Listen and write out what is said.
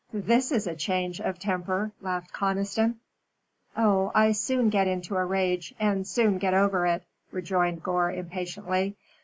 "This is a change of temper," laughed Conniston. "Oh, I soon get into a rage and soon get over it," rejoined Gore, impatiently.